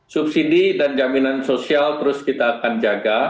subsidi dan jaminan sosial terus kita akan jaga